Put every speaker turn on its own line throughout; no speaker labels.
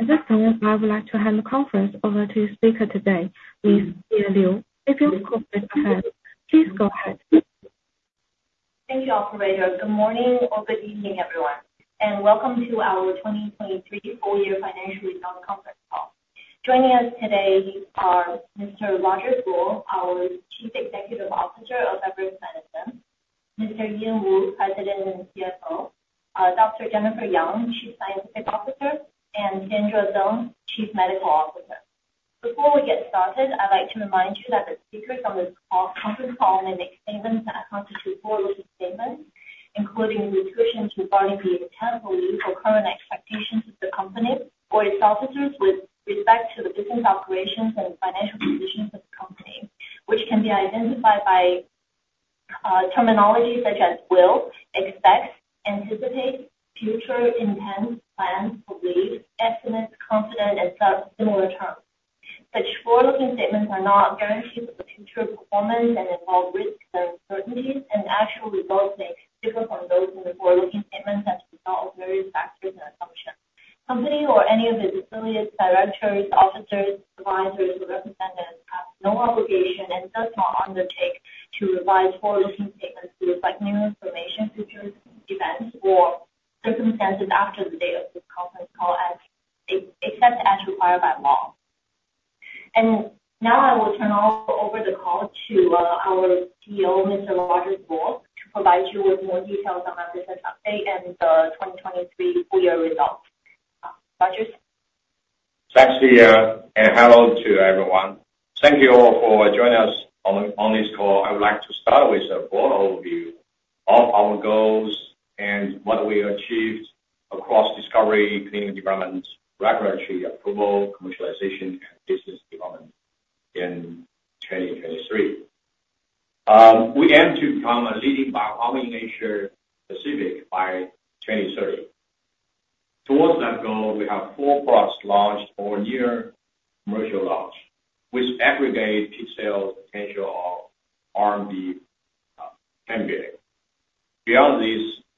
At this time, I would like to hand the conference over to speaker today, Ms. Leah Liu. If you could please go ahead.
Thank you, operator. Good morning or good evening, everyone, and welcome to our 2023 full year financial results conference call. Joining us today are Mr. Rogers Luo, our Chief Executive Officer of Everest Medicines; Mr. Ian Woo, President and CFO; Dr. Jennifer Yang, Chief Scientific Officer; and Sandra Zhao, Chief Medical Officer. Before we get started, I'd like to remind you that the speakers on this call, conference call, may make statements that constitute forward-looking statements, including references to broadly the tangible use or current expectations of the company or its officers with respect to the business operations and financial positions of the company, which can be identified by terminology such as will, expect, anticipate, future, intent, plan, believe, estimate, confident, and such similar terms. Such forward-looking statements are not guarantees of the future performance and involve risks and uncertainties, and actual results may differ from those in the forward-looking statements as a result of various factors and assumptions. Company or any of its affiliates, directors, officers, advisors, or representatives have no obligation and does not undertake to revise forward-looking statements due to lack of new information, future events, or circumstances after the date of this conference call, except as required by law. And now, I will turn over the call to our CEO, Mr. Rogers Luo, to provide you with more details on our business update and the 2023 full year results. Rogers?
Thanks, Leah, and hello to everyone. Thank you all for joining us on this call. I would like to start with a broad overview of our goals and what we achieved across discovery, clinical development, regulatory approval, commercialization, and business development in 2023. We aim to become a leading bio-pharma in Asia Pacific by 2030. Towards that goal, we have four products launched or near commercial launch, which aggregate peak sales potential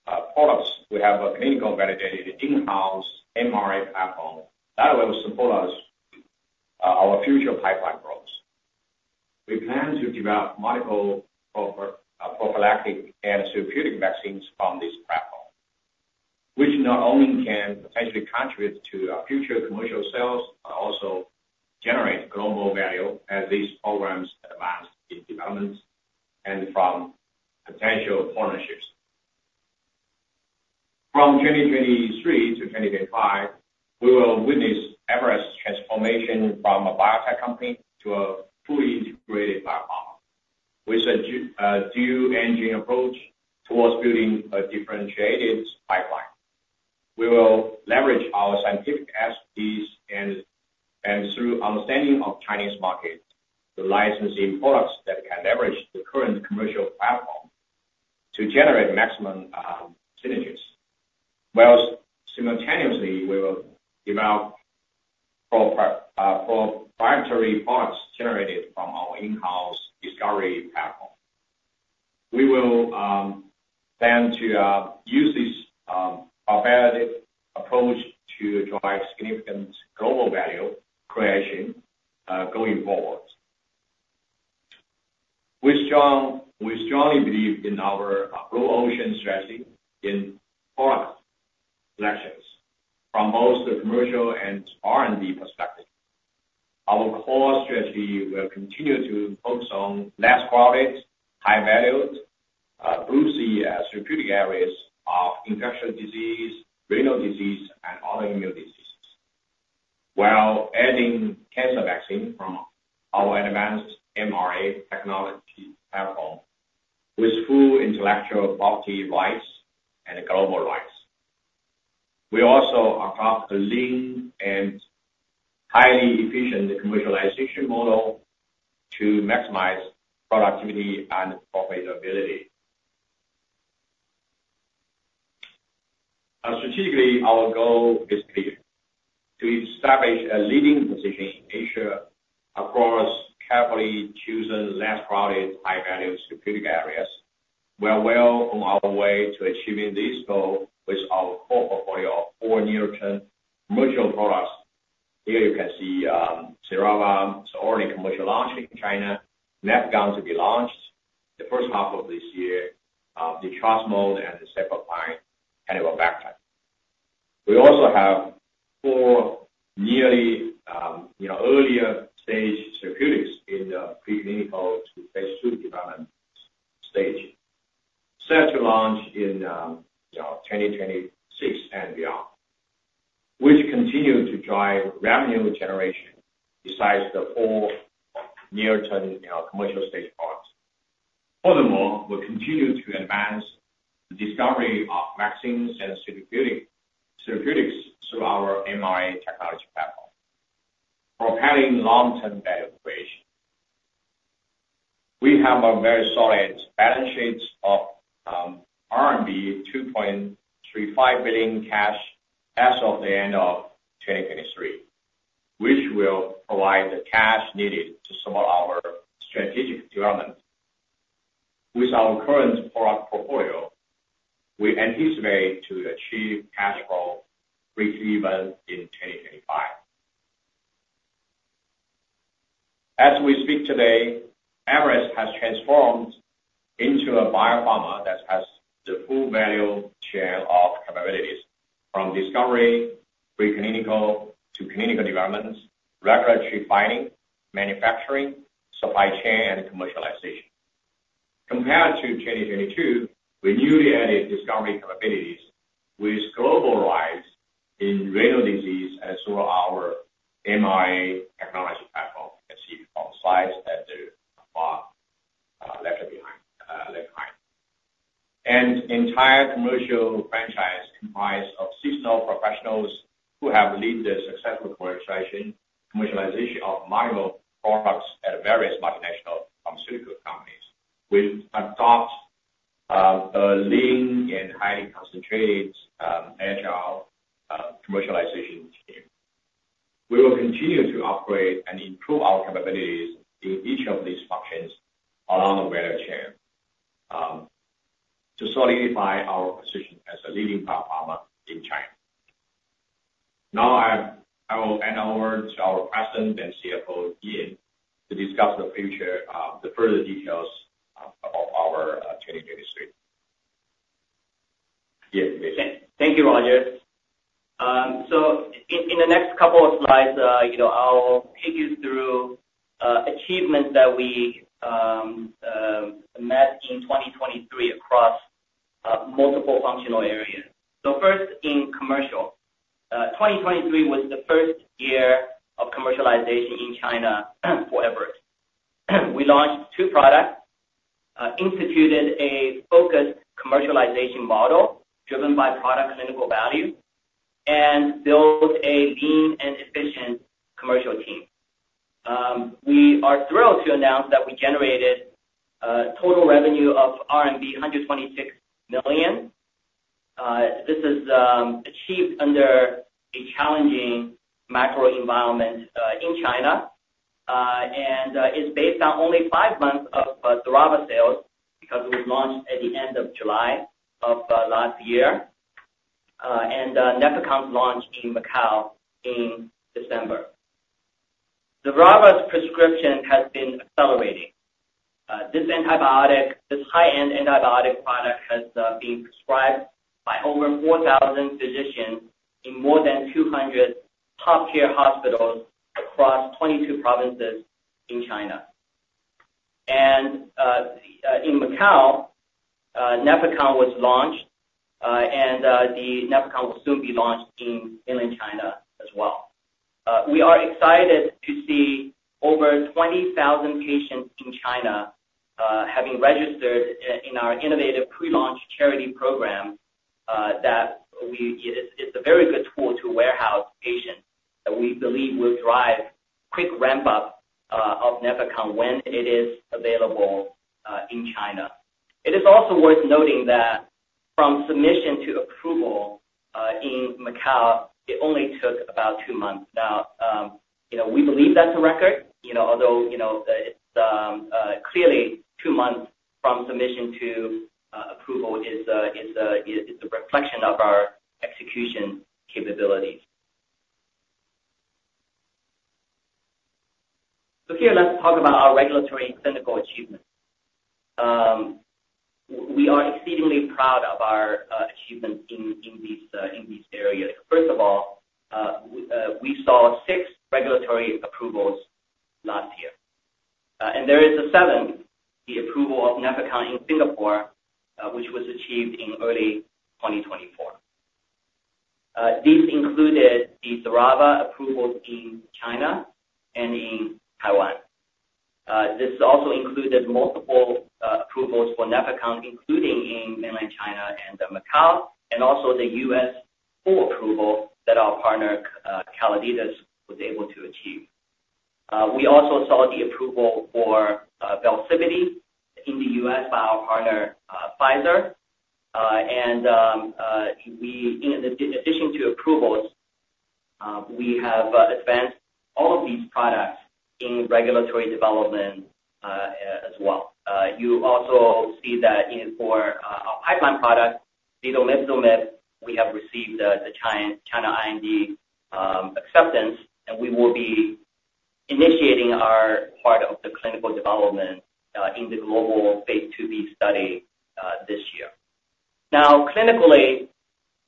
of RMB 10 billion. Beyond these products, we have a clinically validated, in-house mRNA platform that will support our future pipeline growth. We plan to develop multiple prophylactic and therapeutic vaccines from this platform, which not only can potentially contribute to our future commercial sales, but also generate global value as these programs advance in development and from potential partnerships. From 2023-2025, we will witness Everest's transformation from a biotech company to a fully integrated bio-pharma, with a dual engine approach towards building a differentiated pipeline. We will leverage our scientific expertise and thorough understanding of Chinese market, to licensing products that can leverage the current commercial platform to generate maximum synergies. While simultaneously, we will develop proprietary products generated from our in-house discovery platform. We will plan to use this comparative approach to drive significant global value creation, going forward. We strongly believe in our blue ocean strategy in product selections from both the commercial and R&D perspective. Our core strategy will continue to focus on less crowded, high-value, through the therapeutic areas of infectious disease, renal disease, and other immune diseases, while adding cancer vaccine from our advanced mRNA technology platform with full intellectual property rights and global rights. We also adopt a lean and highly efficient commercialization model to maximize productivity and profitability. Strategically, our goal is clear: to establish a leading position in Asia across carefully chosen, less crowded, high-value therapeutic areas. We are well on our way to achieving this goal with our core portfolio of four near-term commercial products. Here you can see, Xerava is already commercially launching in China. Nefecon to be launched the first half of this year, the Velsipity and the cefepime-taniborbactam kind of a vector. We also have four nearly, you know, earlier stage therapeutics in the pre-clinical to phase 2 development stage, set to launch in, you know, 2026 and beyond, which continue to drive revenue generation besides the four near-term, you know, commercial stage products. Furthermore, we'll continue to advance the discovery of vaccines and therapeutics through our mRNA technology platform, propelling long-term value creation. We have a very solid balance sheet of RMB 2.35 billion cash as of the end of 2023, which will provide the cash needed to support our strategic development. With our current product portfolio, we anticipate to achieve cash flow breakeven in 2025. As we speak today, Everest has transformed into a biopharma that has the full value chain of capabilities, from discovery, pre-clinical to clinical developments, regulatory filing, manufacturing, supply chain, and commercialization. Compared to 2022, we newly added discovery capabilities with global rights in renal disease, and so our MRA technology platform, as you can see from the slides that are left behind. Entire commercial franchise comprised of seasoned professionals who have led the successful commercialization of multiple products at various multinational pharmaceutical companies with adopt a lean and highly concentrated agile commercialization team. We will continue to upgrade and improve our capabilities in each of these functions along the value chain to solidify our position as a leading biopharma in China. Now, I will hand over to our President and CFO, Ian, to discuss the future, the further details of our 2023. Ian, please.
Thank you, Rogers. So in the next couple of slides, you know, I'll take you through achievements that we met in 2023 across multiple functional areas. So first, in commercial, 2023 was the first year of commercialization in China for Everest. We launched two products, instituted a focused commercialization model driven by product clinical value, and built a lean and efficient commercial team. We are thrilled to announce that we generated total revenue of RMB 126 million. This is achieved under a challenging macro environment in China, and is based on only five months of Xerava sales, because it was launched at the end of July of last year, and Nefecon was launched in Macau in December. Xerava's prescription has been accelerating. This antibiotic, this high-end antibiotic product has been prescribed by over 4,000 physicians in more than 200 top-tier hospitals across 22 provinces in China. And, in Macau, Nefecon was launched, and, the Nefecon will soon be launched in mainland China as well. We are excited to see over 20,000 patients in China, having registered in our innovative pre-launch charity program, that it's a very good tool to warehouse patients that we believe will drive quick ramp up, of Nefecon when it is available, in China. It is also worth noting that from submission to approval, in Macau, it only took about 2 months. Now, you know, we believe that's a record, you know, although, you know, it's clearly two months from submission to approval is a reflection of our execution capabilities. So here, let's talk about our regulatory and clinical achievements. We are exceedingly proud of our achievements in these areas. First of all, we saw six regulatory approvals last year. And there is a seventh, the approval of Nefecon in Singapore, which was achieved in early 2024. These included the Xerava approvals in China and in Taiwan. This also included multiple approvals for Nefecon, including in Mainland China and Macau, and also the U.S. full approval that our partner Calliditas was able to achieve. We also saw the approval for Velsipity in the U.S. by our partner Pfizer. In addition to approvals, we have advanced all of these products in regulatory development as well. You also see that in for our pipeline product, zetomipzomib, we have received the China IND acceptance, and we will be initiating our part of the clinical development in the global phase 2b study this year. Now, clinically,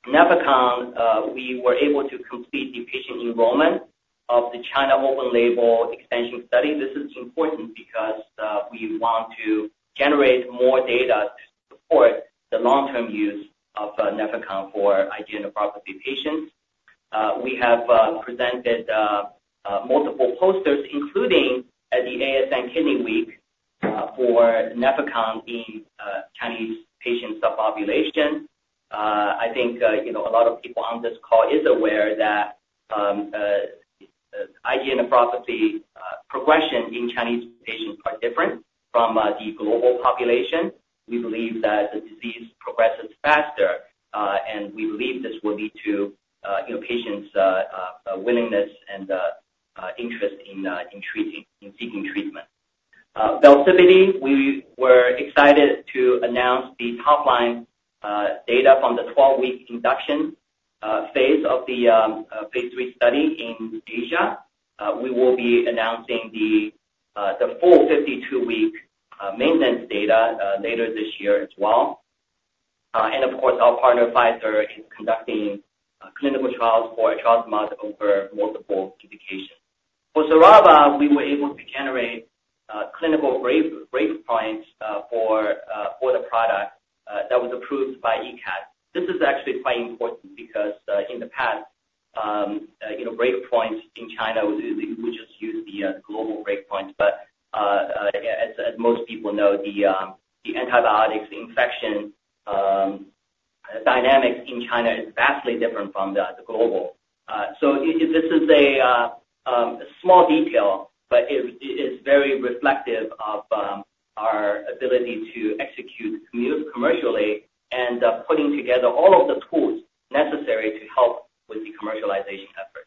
Nefecon, we were able to complete the patient enrollment of the China open-label extension study. This is important because we want to generate more data to support the long-term use of Nefecon for IgA nephropathy patients. We have presented multiple posters, including at the ASN Kidney Week, for Nefecon in Chinese patient subpopulation. I think you know a lot of people on this call is aware that IgA nephropathy progression in Chinese patients are different from the global population. We believe that the disease progresses faster, and we believe this will lead to you know patients willingness and interest in in treating, in seeking treatment. Velsipity, we were excited to announce the top line data from the 12-week induction phase of the phase 3 study in Asia. We will be announcing the full 52-week maintenance data later this year as well. Of course, our partner Pfizer is conducting clinical trials for etrasimod over multiple indications. For Xerava, we were able to generate clinical breakpoint for the product that was approved by EAP. This is actually quite important because in the past, you know, breakpoints in China, we just use the global breakpoints, but as most people know, the antibiotic infection dynamics in China is vastly different from the global. So this is a small detail, but it is very reflective of our ability to execute commercially and putting together all of the tools necessary to help with the commercialization effort.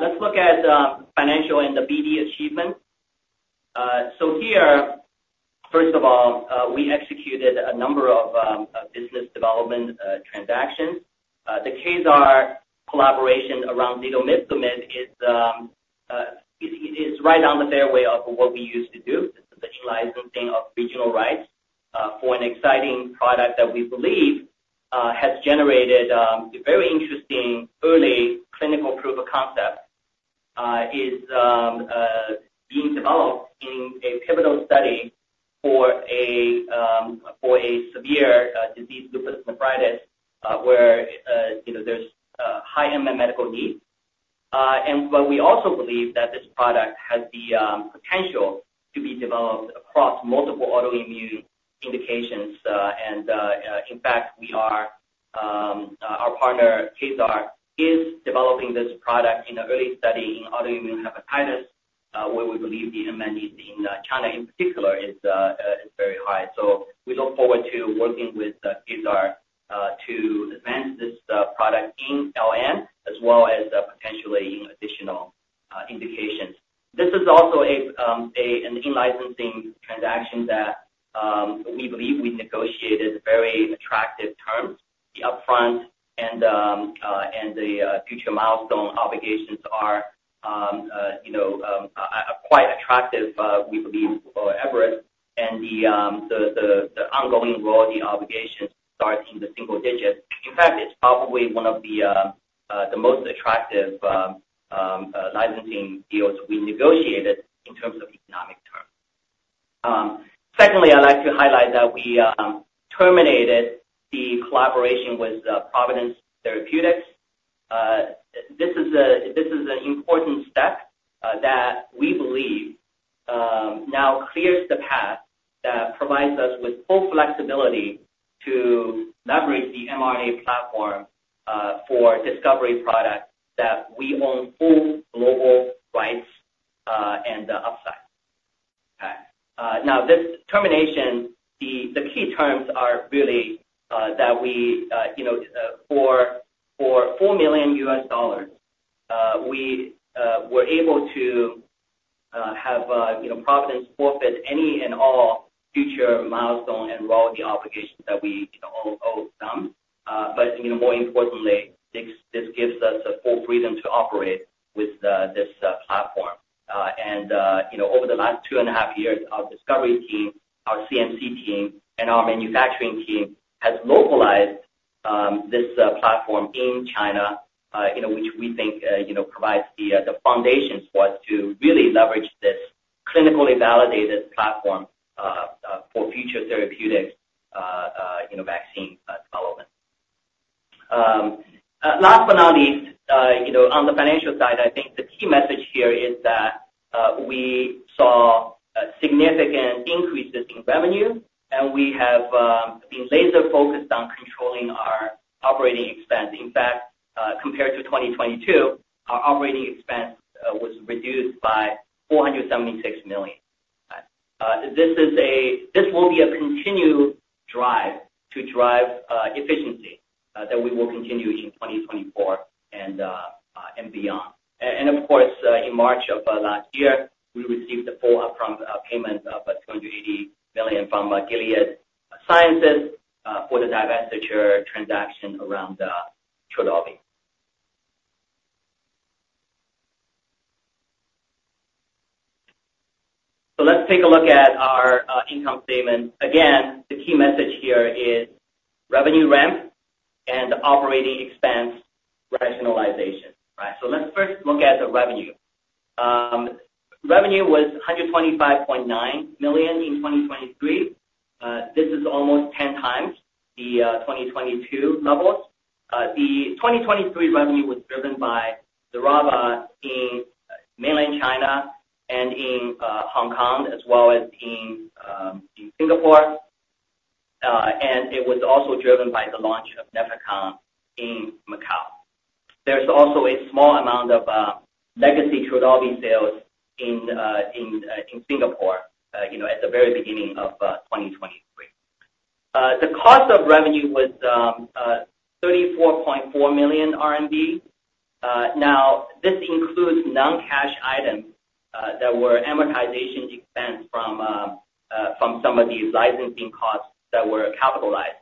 Let's look at financial and the BD achievement. So here, first of all, we executed a number of business development transactions. The Kezar collaboration around zetomipzomib is right down the fairway of what we used to do, the licensing of regional rights for an exciting product that we believe has generated a very interesting early clinical proof of concept, is being developed in a pivotal study for a severe disease, Lupus Nephritis, where, you know, there's high unmet medical needs. But we also believe that this product has the potential to be developed across multiple autoimmune indications, and in fact, our partner, Kezar, is developing this product in an early study in autoimmune hepatitis, where we believe the unmet need in China in particular is very high. So we look forward to working with Kezar to advance this product in LN, as well as potentially additional indications. This is also an in-licensing transaction that we believe we negotiated very attractive terms. The upfront and the future milestone obligations are, you know, quite attractive, we believe, for Everest and the ongoing royalty obligations starts in the single digits. In fact, it's probably one of the most attractive licensing deals we negotiated in terms of economic terms. Secondly, I'd like to highlight that we terminated the collaboration with Providence Therapeutics. This is an important step that we believe now clears the path that provides us with full flexibility to leverage the mRNA platform for discovery products that we own full global rights and upside. Now, this termination, the key terms are really that we you know for $4 million we were able to have you know Providence forfeit any and all future milestone and royalty obligations that we you know owe them. But you know, more importantly, this gives us the full freedom to operate with this platform. And you know, over the last 2.5 years, our discovery team, our CMC team, and our manufacturing team has localized this platform in China, you know, which we think you know provides the foundations for us to really leverage this clinically validated platform, you know, vaccine development. Last but not least, you know, on the financial side, I think the key message here is that we saw significant increases in revenue, and we have been laser focused on controlling our operating expense. In fact, compared to 2022, our operating expense was reduced by 476 million. This will be a continued drive to drive efficiency that we will continue in 2024 and beyond. And of course, in March of last year, we received the full upfront payment of $280 million from Gilead Sciences for the divestiture transaction around Trodelvy. So let's take a look at our income statement. Again, the key message here is revenue ramp and operating expense rationalization, right? So let's first look at the revenue. Revenue was $125.9 million in 2023. This is almost 10x the 2022 levels. The 2023 revenue was driven by Xerava in Mainland China and in Hong Kong, as well as in Singapore. And it was also driven by the launch of Nefecon in Macau. There's also a small amount of legacy Trodelvy sales in Singapore, you know, at the very beginning of 2020. The cost of revenue was 34.4 million RMB. Now, this includes non-cash items that were amortization expense from some of these licensing costs that were capitalized.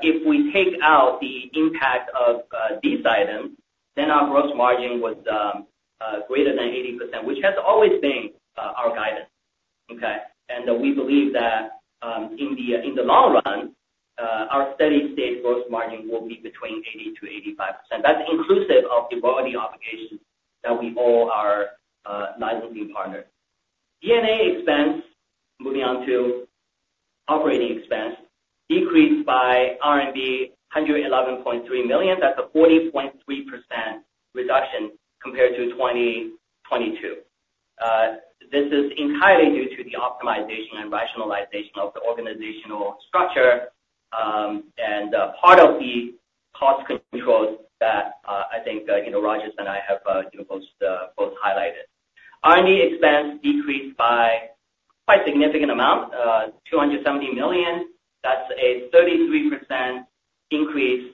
If we take out the impact of these items, then our gross margin was greater than 80%, which has always been our guidance, okay? And we believe that, in the long run, our steady-state gross margin will be between 80%-85%. That's inclusive of the royalty obligations that we owe our licensing partners. G&A expense, moving on to operating expense, decreased by RMB 111.3 million. That's a 40.3% reduction compared to 2022. This is entirely due to the optimization and rationalization of the organizational structure, and part of the cost controls that I think you know Rogers and I have you know both highlighted. R&D expense increased by a significant amount, 270 million. That's a 33% increase.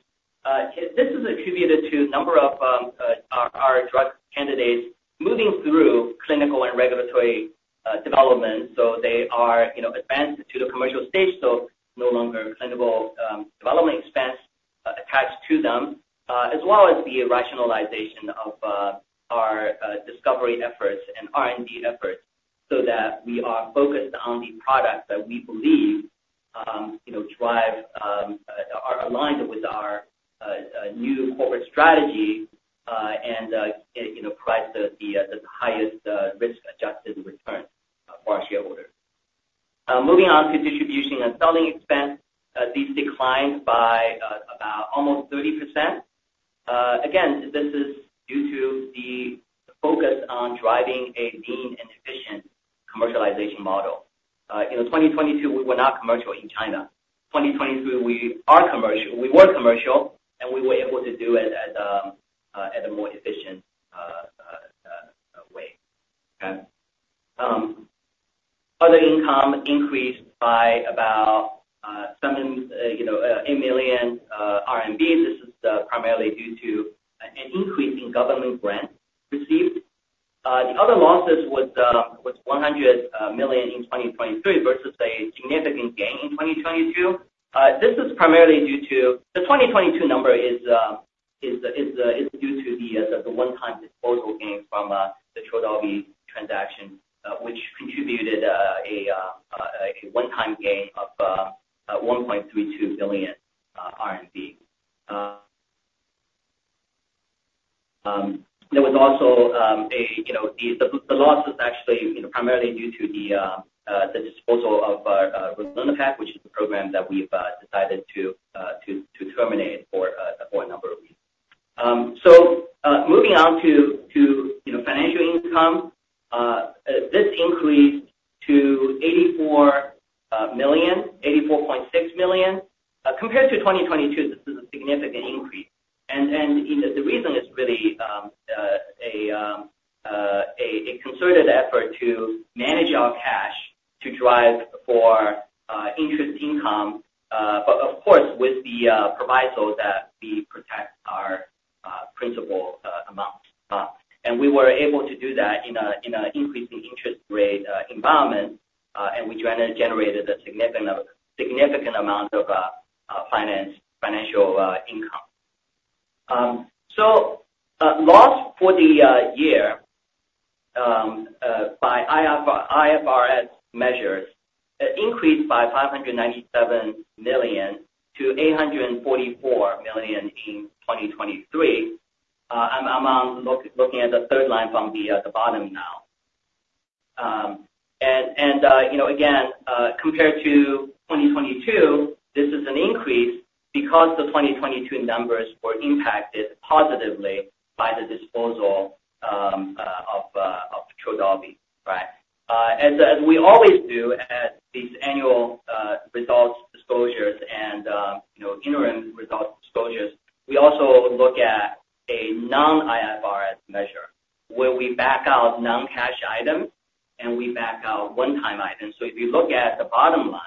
This is attributed to a number of our drug candidates moving through clinical and regulatory development, so they are you know advanced to the commercial stage, so no longer clinical development expense attached to them. As well as the rationalization of our discovery efforts and R&D efforts, so that we are focused on the products that we believe, you know, drive, are aligned with our new corporate strategy, and, you know, provide the highest risk-adjusted return for our shareholders. Moving on to distribution and selling expense. These declined by about almost 30%. Again, this is due to the focus on driving a lean and efficient commercialization model. In 2022, we were not commercial in China. 2023, we are commercial- we were commercial, and we were able to do it at a more efficient way. Okay. Other income increased by about 7 million, you know, 8 million RMB. This is primarily due to an increase in government grants received. The other losses was 100 million RMB in 2023 versus a significant gain in 2022. This is primarily due to the 2022 number is due to the one-time disposal gain from the Trodelvy transaction, which contributed a one-time gain of 1.32 billion RMB. There was also, you know, the loss was actually, you know, primarily due to the disposal of Ralinepag, which is a program that we've decided to terminate for a number of reasons. So, moving on to financial income. This increased to 84.6 million. Compared to 2022, this is a significant increase. And, you know, the reason is really a concerted effort to manage our cash to drive for interest income, but of course, with the proviso that we protect our principal amount. And we were able to do that in an increasing interest rate environment, and we generated a significant amount of financial income. So, loss for the year by IFRS measures increased by 597 million to 844 million in 2023. I'm looking at the third line from the bottom now. You know, again, compared to 2022, this is an increase because the 2022 numbers were impacted positively by the disposal of Trodelvy, right? As we always do at these annual results disclosures and, you know, interim results disclosures, we also look at a non-IFRS measure, where we back out non-cash items, and we back out one-time items. So if you look at the bottom line,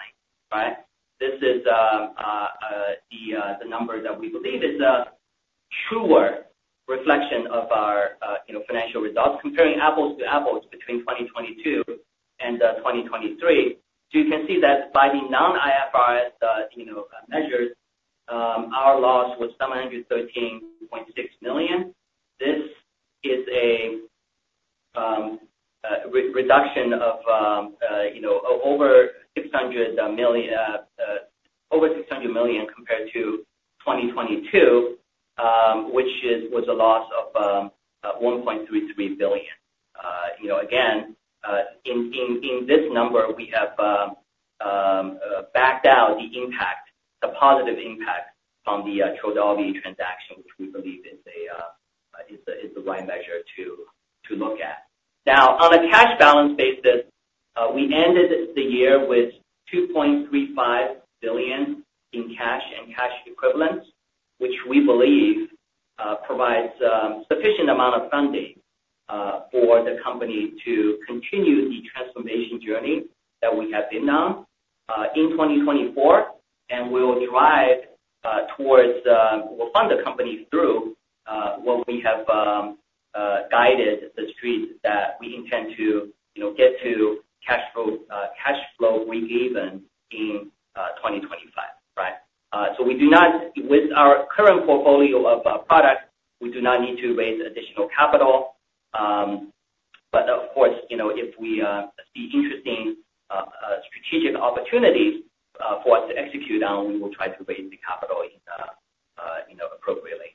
right? This is the number that we believe is a truer reflection of our, you know, financial results, comparing apples to apples between 2022 and 2023. So you can see that by the non-IFRS measures, our loss was 713.6 million. This is a reduction of, you know, over 600 million, over 600 million compared to 2022, which was a loss of 1.33 billion. You know, again, in this number, we have backed out the impact, the positive impact from the Trodelvy transaction, which we believe is the right measure to look at. Now, on a cash balance basis, we ended the year with 2.35 billion in cash and cash equivalents, which we believe provides sufficient amount of funding-... For the company to continue the transformation journey that we have been on, in 2024, and we will drive towards the, we'll fund the company through what we have, guided the Street that we intend to, you know, get to cash flow, cash flow breakeven in, 2025, right? So with our current portfolio of products, we do not need to raise additional capital, but of course, you know, if we see interesting strategic opportunities for us to execute on, we will try to raise the capital in, you know, appropriately.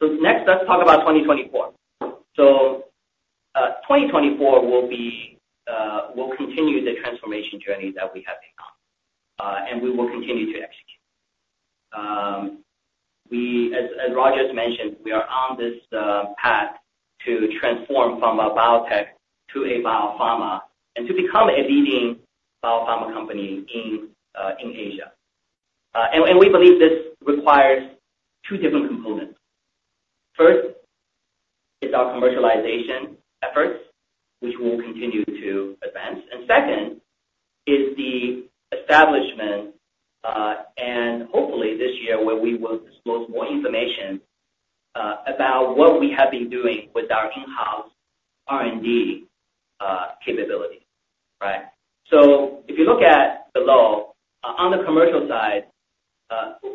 So next, let's talk about 2024. So, 2024 will be, will continue the transformation journey that we have been on, and we will continue to execute. We, as Rogers has mentioned, we are on this path to transform from a biotech to a bio-pharma, and to become a leading bio-pharma company in Asia. And we believe this requires two different components. First is our commercialization efforts, which we'll continue to advance. Second is the establishment and hopefully this year, where we will disclose more information about what we have been doing with our in-house R&D capability, right? So if you look at the low on the commercial side,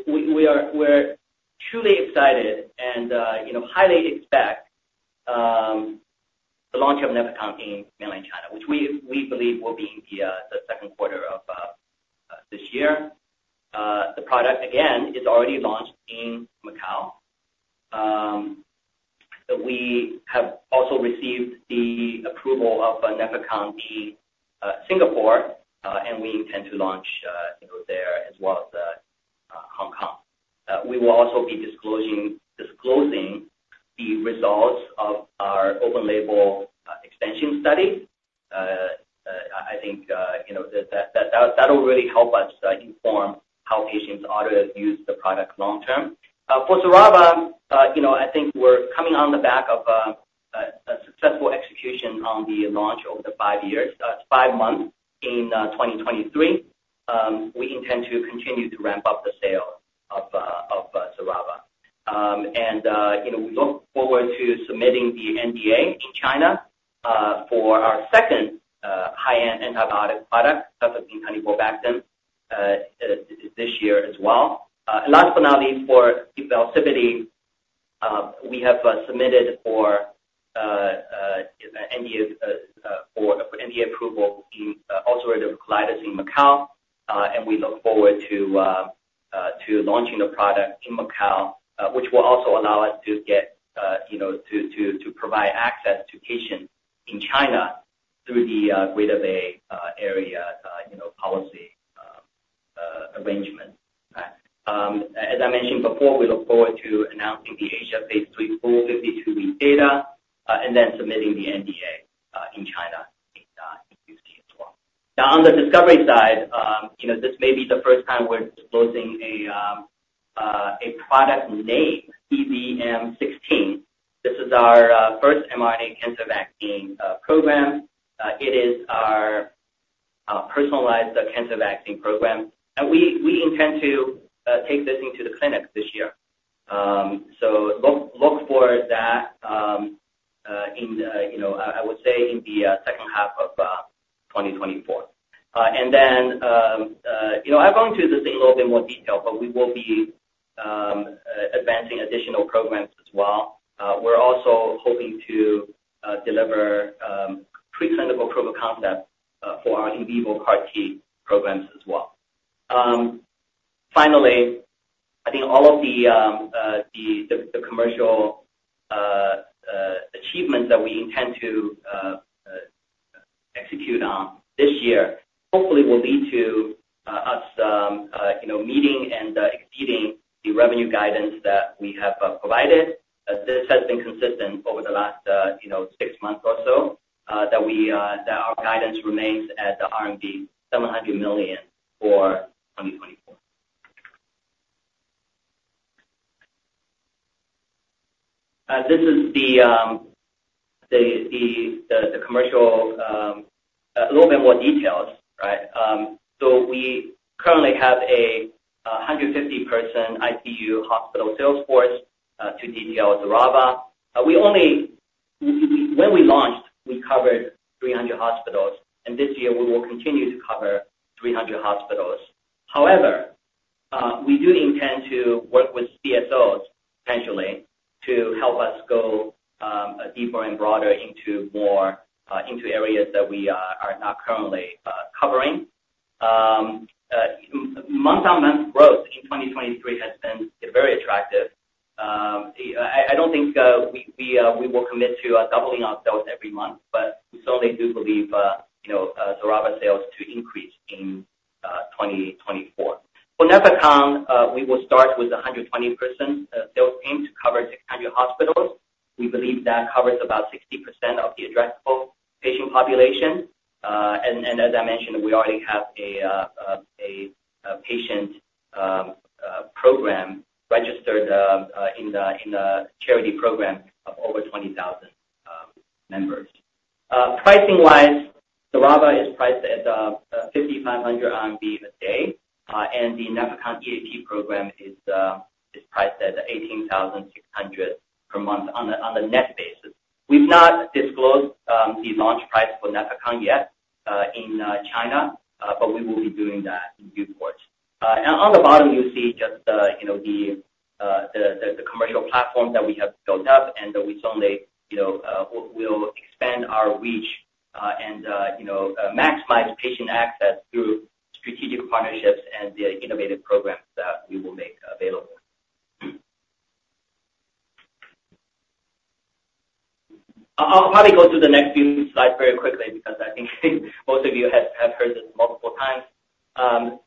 we are truly excited and you know, highly expect the launch of Nefecon in Mainland China, which we believe will be in the second quarter of this year. The product again is already launched in Macau. We have also received the approval of Nefecon in Singapore, and we intend to launch, you know, there as well as Hong Kong. We will also be disclosing the results of our open-label extension study. I think, you know, that, that'll really help us inform how patients ought to use the product long term. For Xerava, you know, I think we're coming on the back of a successful execution on the launch over the five years, five months in 2023. We And then, you know, I'll go into this in a little bit more detail, but we will be advancing additional programs as well. We're also hoping to deliver pre-clinical proof of concept for our in vivo CAR T programs as well. Finally, I think all of the commercial achievements that we intend to execute on this year hopefully will lead to us, you know, meeting and exceeding the revenue guidance that we have provided. This has been consistent over the last, you know, six months or so, that our guidance remains at the R&D RMB 700 million for 2024. This is the commercial, a little bit more details, right? So we currently have a 150-person ICU hospital sales force to detail Xerava. We only—when we launched, we covered 300 hospitals, and this year we will continue to cover 300 hospitals. However, we do intend to work with CSOs potentially, to help us go deeper and broader into more into areas that we are not currently covering. Month-on-month growth in 2023 has been very attractive. I don't think we will commit to doubling our sales every month, but we certainly do believe, you know, Xerava sales to increase in 2024. For Nefecon, we will start with 120 persons, they'll aim to cover 600 hospitals. We believe that covers about 60% of the addressable patient population. And as I mentioned, we already have a patient program registered in the charity program of over 20,000 members. Pricing-wise, Xerava is priced at 5,500 RMB a day, and the Nefecon EAP program is priced at 18,600 per month on a net basis. We've not disclosed the launch price for Nefecon yet in China, but we will be doing that in due course. Now on the bottom, you see just the, you know, the commercial platform that we have built up and that we suddenly, you know, we'll expand our reach, and, you know, maximize patient access through strategic partnerships and the innovative programs that we will make available. I'll probably go through the next few slides very quickly because I think most of you have heard this multiple times.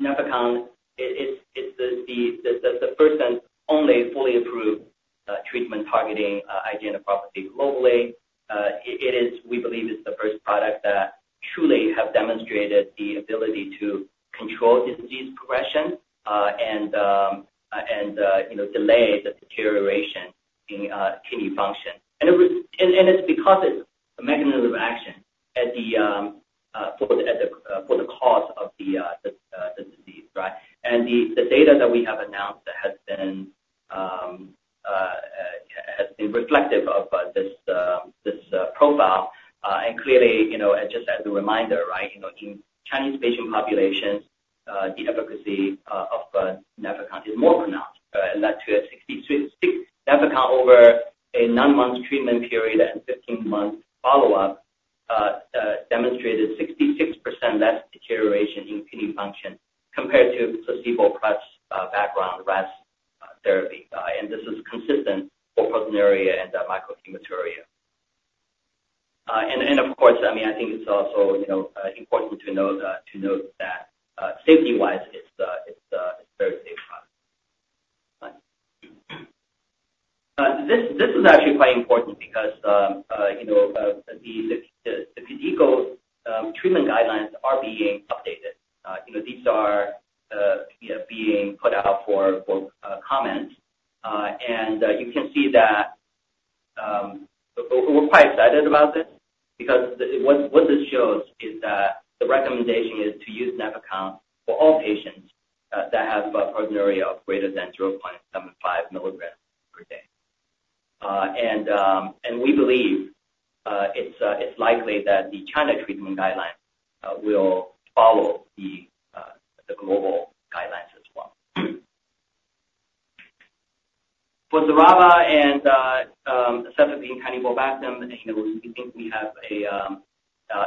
Nefecon it's the first and only fully approved treatment targeting IgA nephropathy globally.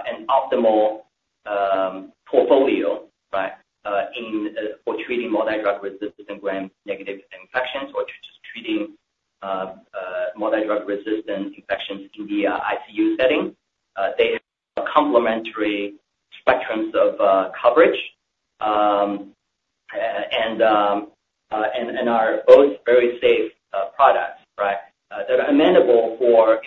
an optimal portfolio, right, in for treating multi-drug resistant gram-negative infections or just treating multi-drug resistant infections in the ICU setting. They have complementary spectrums of coverage and are both very safe products, right? that are amendable for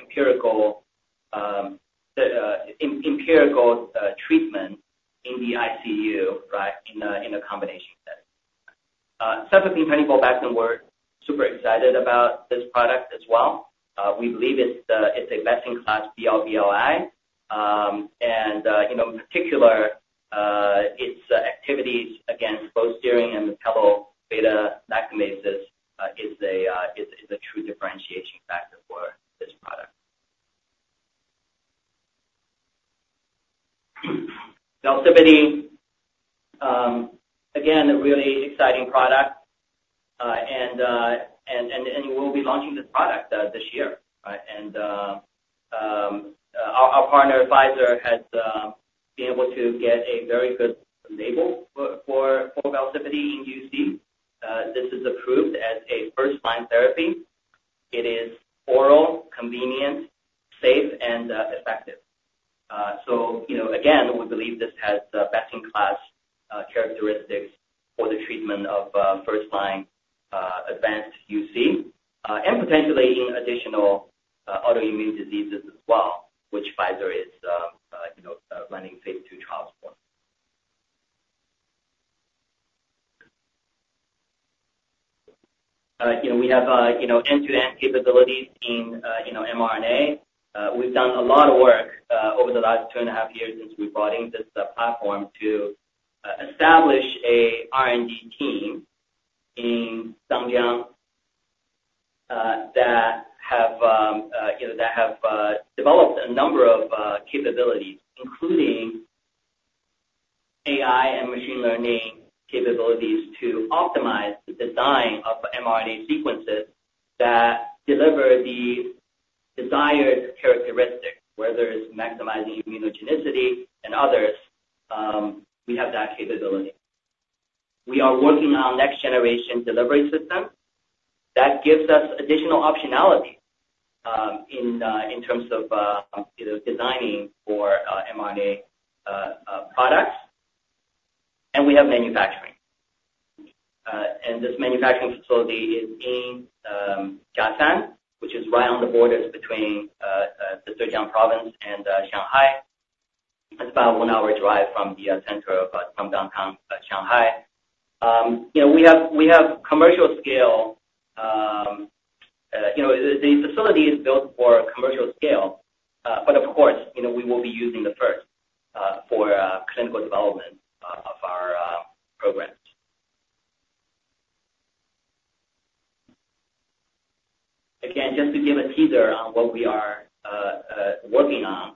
empirical treatment in the ICU, right, in a combination setting. Cefepime-taniborbactam, we're super excited about this product as well. We believe it's a best-in-class BLBLI. And you know, in particular, its activities against both serine and metallo beta-lactamases is a true differentiation factor for this product. Velsipity, again, a really exciting product. And we'll be launching this product this year, right? Our partner, Pfizer, has been able to get a very good label for Velsipity in UC. This is approved as a first-line therapy. It is oral, convenient, safe, and effective. So you know, again, we believe this has the best-in-class characteristics for the treatment of first line advanced UC and potentially in additional autoimmune diseases as well, which Pfizer is you know running phase 2 trials for. You know, we have end-to-end capabilities in mRNA. We've done a lot of work over the last two and a half years since we brought in this platform to establish a R&D team in Shanghai that have developed a number of capabilities, including AI and machine learning capabilities to optimize the design of mRNA sequences that deliver the desired characteristics, whether it's maximizing immunogenicity and others, we have that capability. We are working on next-generation delivery system that gives us additional optionality, in terms of, you know, designing for, mRNA, products... of manufacturing. And this manufacturing facility is in, Jiaxing, which is right on the borders between, the Zhejiang Province and, Shanghai. It's about one hour drive from the, center of, from downtown, Shanghai. You know, we have, we have commercial scale, you know, the, the facility is built for commercial scale, but of course, you know, we will be using the first, for, clinical development, of our, programs. Again, just to give a teaser on what we are, working on,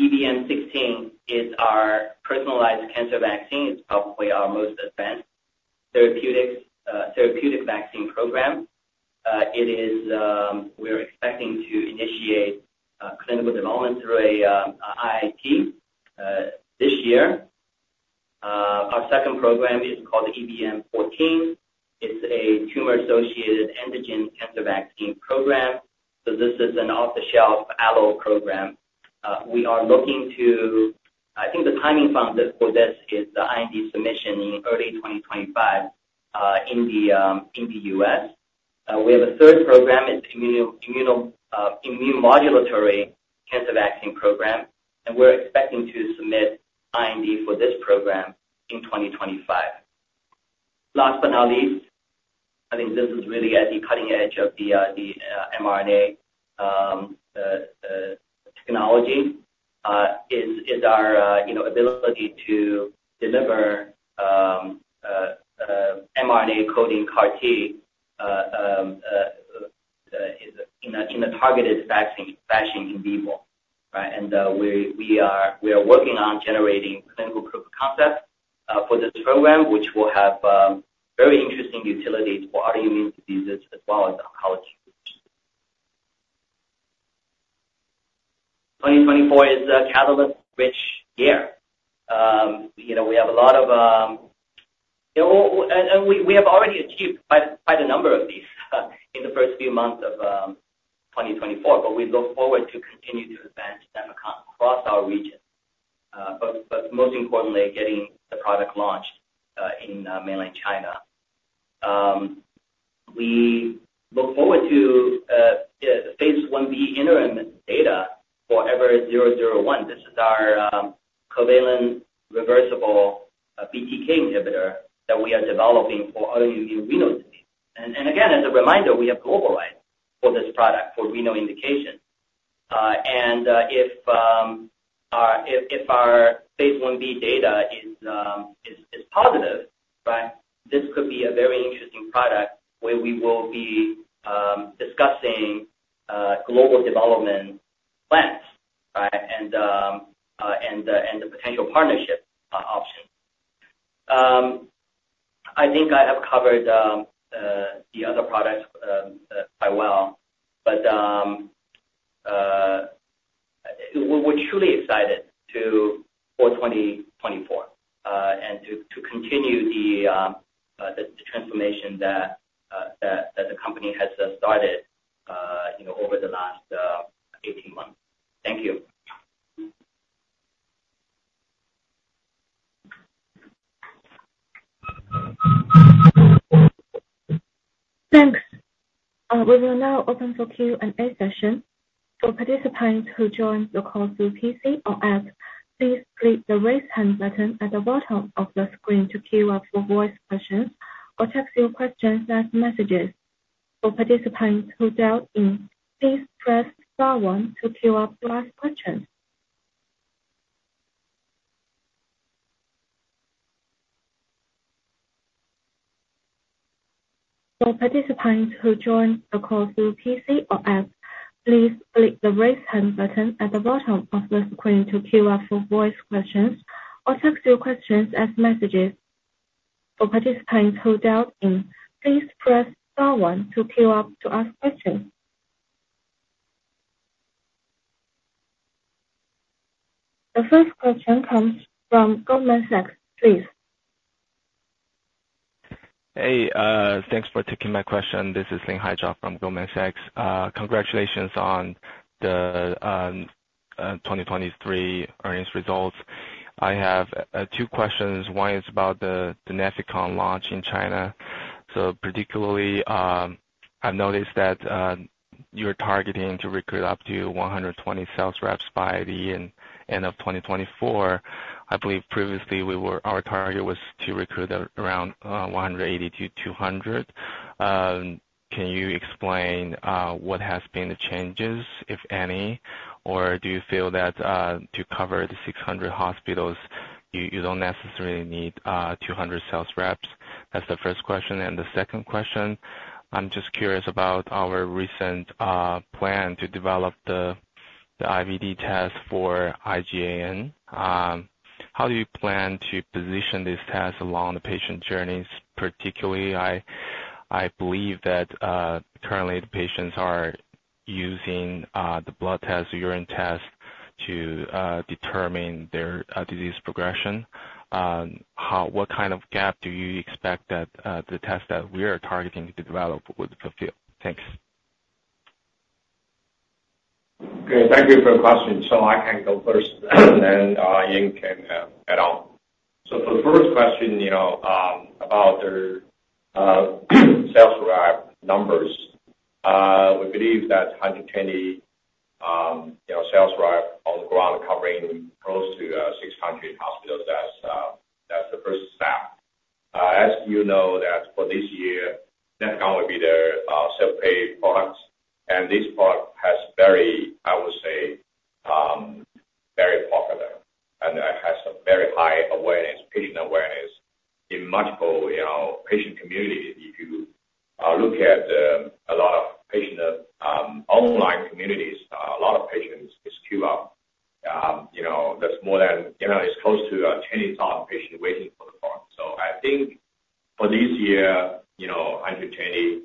EBM-16 is our personalized cancer vaccine. It's probably our most advanced therapeutics, therapeutic vaccine program. It is, we're expecting to initiate clinical development through a IIT this year. Our second program is called EBM-14. It's a tumor-associated antigen cancer vaccine program, so this is an off-the-shelf Allo program. We are looking to—I think the timing from this, for this is the IND submission in early 2025, in the US. We have a third program in immunomodulatory cancer vaccine program, and we're expecting to submit IND for this program in 2025. Last but not least, I think this is really at the cutting edge of the mRNA technology, is our, you know, ability to deliver mRNA coding CAR T in a targeted vaccine fashion in people, right? We are working on generating clinical proof of concept for this program, which will have very interesting utilities for autoimmune diseases as well as oncology. 2024 is a catalyst-rich year. You know, we have a lot of, and we have already achieved quite a number of these in the first few months of 2024, but we look forward to continuing to advance them across our region. But most importantly, getting the product launched in mainland China. We look forward to the phase 1b interim data for EVER001. This is our covalent reversible BTK inhibitor that we are developing for autoimmune renal disease. Again, as a reminder, we have global rights for this product, for renal indication. And if our phase 1b data is positive, right, this could be a very interesting product where we will be discussing global development plans, right? And the potential partnership option. I think I have covered the other products quite well, but we're truly excited for 2024 and to continue the transformation that the company has started, you know, over the last 18 months. Thank you.
Thanks. We will now open for Q&A session. For participants who joined the call through PC or app, please click the Raise Hand button at the bottom of the screen to queue up for voice questions, or type your questions as messages. For participants who dialed in, please press star one to queue up to ask questions. For participants who joined the call through PC or app, please click the Raise Hand button at the bottom of the screen to queue up for voice questions, or type your questions as messages. For participants who dialed in, please press star one to queue up to ask questions. The first question comes from Goldman Sachs, please.
Hey, thanks for taking my question. This is Linhai Zhao from Goldman Sachs. Congratulations on the 2023 earnings results. I have two questions. One is about the Nefecon launch in China. So particularly, I've noticed that you're targeting to recruit up to 120 sales reps by the end of 2024. I believe previously our target was to recruit around 180-200. Can you explain what has been the changes, if any? Or do you feel that to cover the 600 hospitals, you don't necessarily need 200 sales reps? That's the first question. And the second question, I'm just curious about our recent plan to develop the IVD test for IgAN. How do you plan to position this test along the patient journeys particularly? I believe that currently the patients are using the blood test, urine test to determine their disease progression. What kind of gap do you expect that the test that we are targeting to develop would fulfill? Thanks. ...
Okay, thank you for the question. So I can go first, and then Ying can add on. So for the first question, you know, about the sales rep numbers. We believe that 120 sales rep on the ground covering close to 600 hospitals, that's the first step. As you know, that for this year, that count will be the self-pay products, and this product has very, I would say, very popular, and it has a very high awareness, patient awareness in multiple patient communities. If you look at a lot of patient online communities, a lot of patients is queue up. You know, there's more than, you know, it's close to 10,000 patients waiting for the product. So I think for this year, you know, 120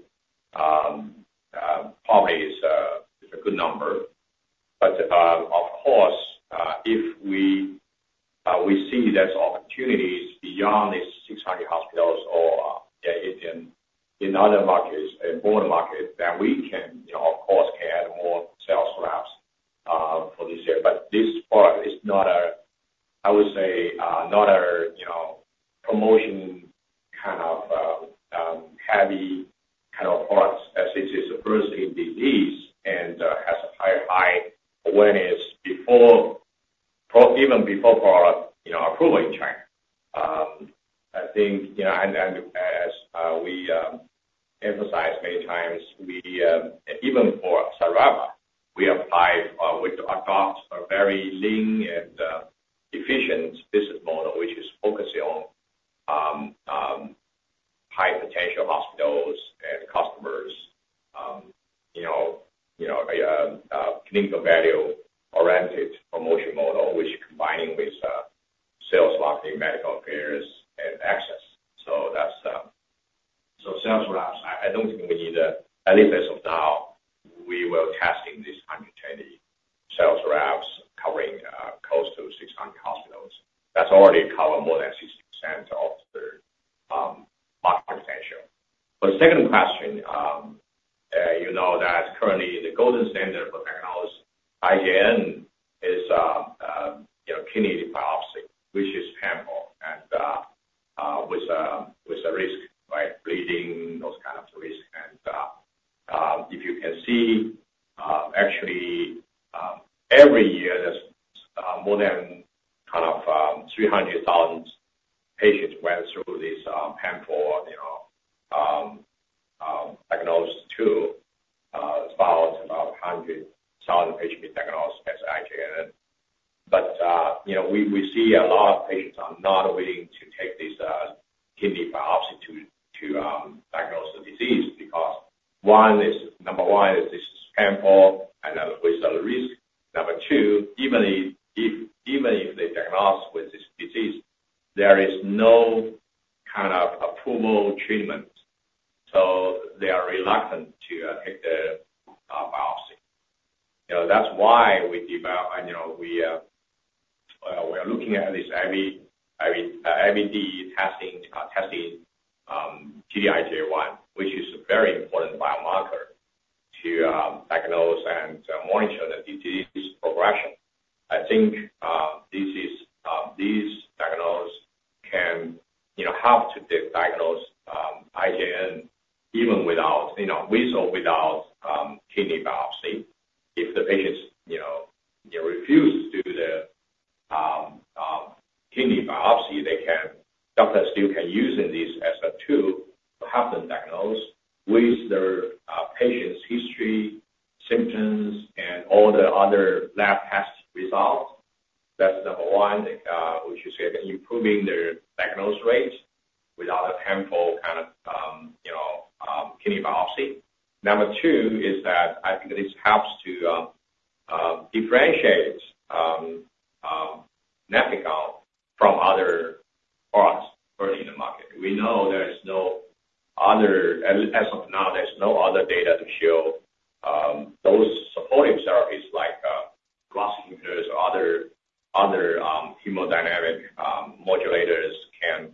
probably is a good number. But of course, if we see there's opportunities beyond these 600 hospitals or, yeah, in other markets, in all markets, then we can, you know, of course, add more sales reps for this year. But this product is not a, I would say, not a, you know, promotion kind of heavy kind of products as it is a rare disease, and has a very high awareness before, even before product, you know, approval in China. I think, you know, and, and as we emphasize many times, we even for Xerava, we apply with adopt a very lean and efficient business model, which is focusing on high potential hospitals and customers. You know, you know, clinical value-oriented promotion model, which combining with sales, marketing, medical affairs, and access. So that's so sales reps, I, I don't think we need, at least as of now, we will testing this 120 sales reps, covering close to 600 hospitals. That's already cover more than 60% of the market potential. For the second question, you kidney biopsy. Number 2 is that I think this helps to differentiate Nefecon from other products already in the market. We know there is no other, at least as of now, there's no other data to show those supportive therapies like galactose inhibitors or other hemodynamic modulators can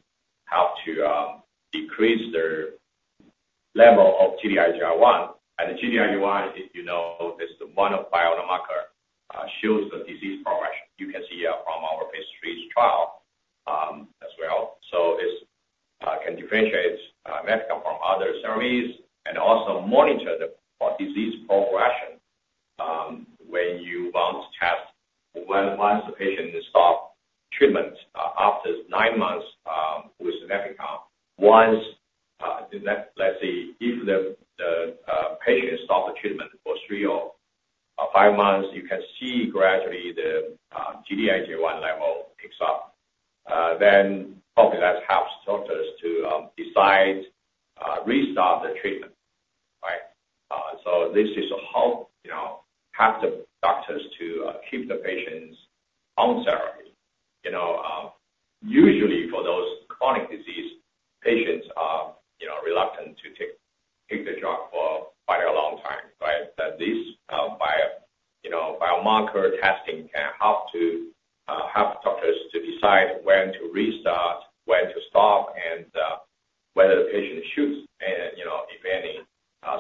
help to decrease the level of Gd-IgA1. And the Gd-IgA1, as you know, is the one biomarker shows the disease progression. You can see from our phase 3 trial as well. So this can differentiate Nefecon from other therapies, and also monitor the disease progression when you want to test once the patient stop treatment after 9 months with Nefecon. Once, let's say, if the patient stop the treatment for three or five months, you can see gradually the Gd-IgA1 level picks up, then hopefully that helps doctors to decide restart the treatment, right? So this is how, you know, have the doctors to keep the patients on therapy. You know, usually for those chronic disease, patients are, you know, reluctant to take the drug for quite a long time, right? But this biomarker testing can help to help doctors to decide when to restart, when to stop, and whether the patient should, and, you know, if any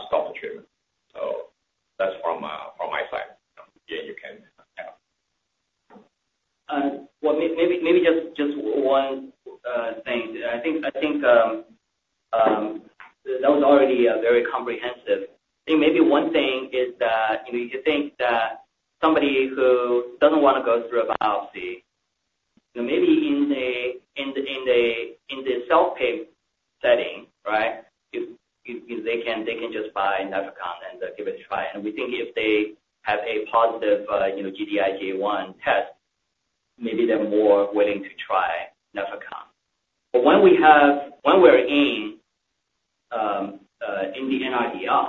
stop the treatment. So that's from my side. Yeah, you can add.
Well, maybe just one thing. I think that was already very comprehensive. I think maybe one thing is that, you know, you think that somebody who doesn't wanna go through a biopsy, you know, maybe in the self-pay setting, right? If they can, they can just buy Nefecon and give it a try. And we think if they have a positive, you know, Gd-IgA1 test, maybe they're more willing to try Nefecon. But when we're in the NRDL,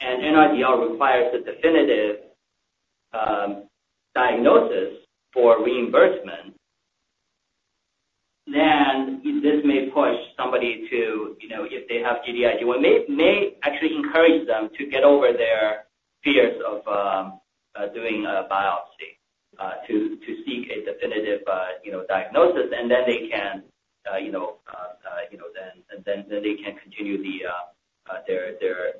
and NRDL requires a definitive diagnosis for reimbursement, then this may push somebody to, you know, if they have Gd-IgA1, it may actually encourage them to get over their fears of doing a biopsy to seek a definitive, you know, diagnosis, and then they can continue their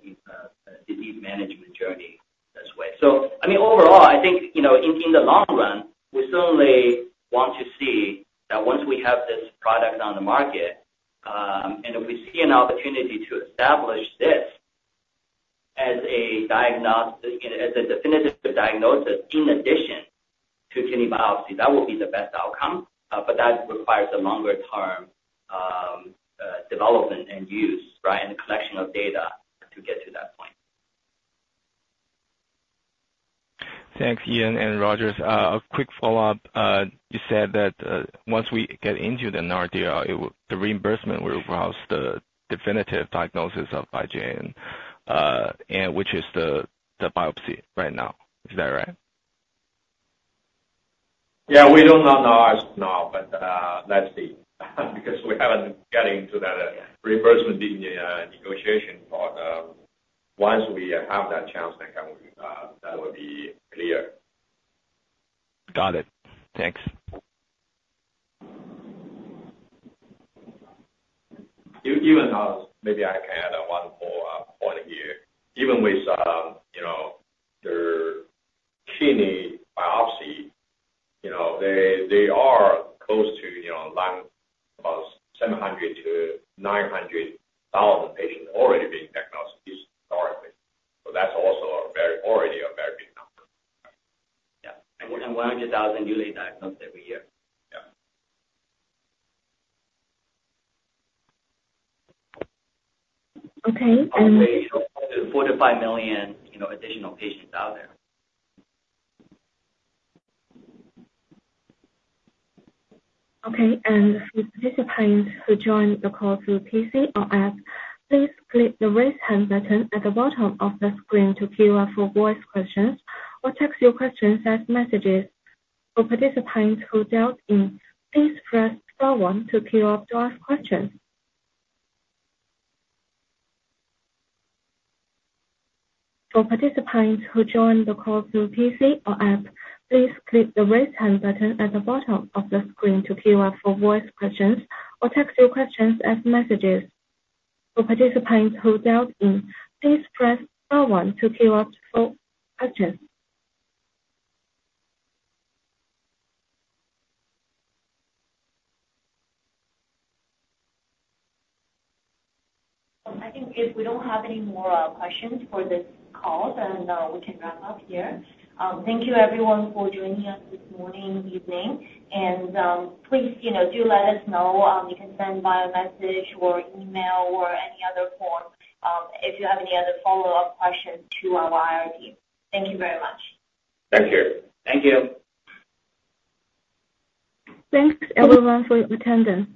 disease management journey this way. So, I mean, overall, I think, you know, in the long run, we certainly want to see that once we have this product on the market, and if we see an opportunity to establish this as a diagnostic, as a definitive diagnosis, in addition to kidney biopsy, that will be the best outcome. But that requires a longer-term development and use, right, and the collection of data to get to that point.
Thanks, Ian and Rogers. A quick follow-up. You said that once we get into the NRDL, the reimbursement will require the definitive diagnosis of IgAN, and which is the biopsy right now. Is that right?
Yeah, we do not know as of now, but, let's see, because we haven't got into that reimbursement negotiation part. Once we have that chance, then can we, that will be clear.
Got it. Thanks.
Even, maybe I can add one more point here. Even with, you know, the kidney biopsy, you know, they, they are close to, you know, around about 700,000-900,000 patients already being diagnosed historically. So that's also a very, already a very big number.
Yeah, and 100,000 newly diagnosed every year.
Yeah.
Okay, and-
4 million-5 million, you know, additional patients out there.
Okay, and for participants who joined the call through PC or app, please click the Raise Hand button at the bottom of the screen to queue up for voice questions or text your questions as messages. For participants who dialed in, please press star one to queue up to ask questions. For participants who joined the call through PC or app, please click the Raise Hand button at the bottom of the screen to queue up for voice questions or text your questions as messages. For participants who dialed in, please press star one to queue up for questions.
I think if we don't have any more questions for this call, then we can wrap up here. Thank you everyone for joining us this morning, evening, and please, you know, do let us know, you can send by a message or email or any other form, if you have any other follow-up questions to our IR team. Thank you very much.
Thank you.
Thank you.
Thanks everyone for your attendance.